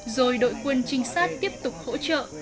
rồi đội quân trinh sát tiếp tục hỗ trợ